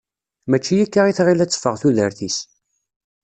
Mačči akka i tɣil ad teffeɣ tudert-is.